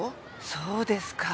そうですか。